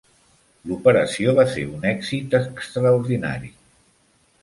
L'operació va ser un èxit extraordinari.